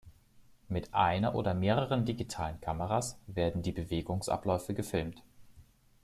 Mit einer oder mehreren digitalen Kameras werden die Bewegungsabläufe gefilmt.